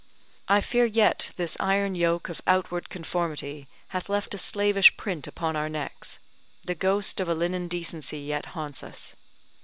I fear yet this iron yoke of outward conformity hath left a slavish print upon our necks; the ghost of a linen decency yet haunts us.